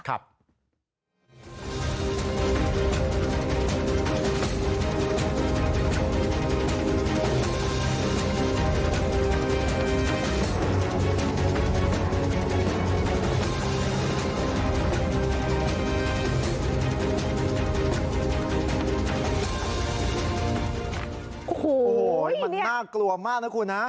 โอ้โหมันน่ากลัวมากนะคุณนะ